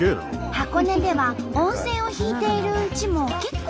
箱根では温泉を引いているうちも結構あるんだって。